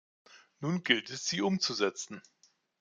Nun gilt es sie umzusetzen.